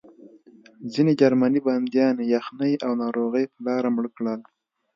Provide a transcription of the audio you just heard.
ځینې جرمني بندیان یخنۍ او ناروغۍ په لاره مړه کړل